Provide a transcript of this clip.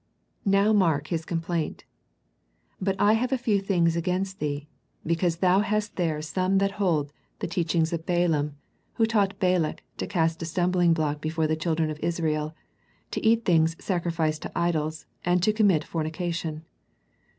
Now mark His complaint. " But I have a few things against thee, because thou hast there some that hold the teaching of Balaam, who taught Balak to cast a stumblingblock be %^ fore the children of Israel, to eat things sac rificed to idols, and to commit fornication."